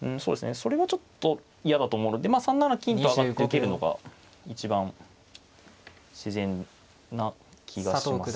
それがちょっと嫌だと思うので３七金と上がって受けるのが一番自然な気がします。